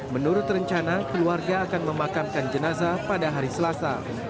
menurut rencana keluarga akan memakamkan jenazah pada hari selasa